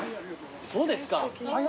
そうですか。